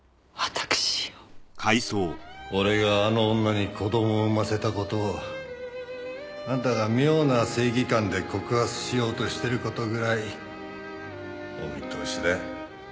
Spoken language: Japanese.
俺があの女に子供を産ませた事をあんたが妙な正義感で告発しようとしてる事ぐらいお見通しだ。